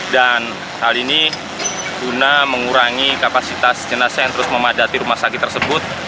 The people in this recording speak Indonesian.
dan hal ini guna mengurangi kapasitas jenazah yang terus memadati rumah sakit tersebut